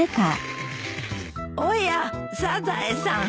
おやサザエさん。